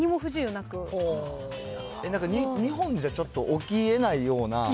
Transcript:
なんか、日本じゃちょっと起きえないような。